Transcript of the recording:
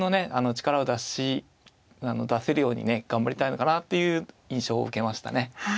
力を出せるようにね頑張りたいのかなっていう印象を受けましたね。